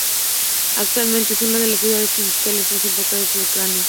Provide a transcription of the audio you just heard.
Actualmente, es una de las ciudades industriales más importantes de Ucrania.